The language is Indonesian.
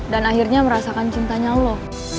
dan akhirnya merasakan cintanya lo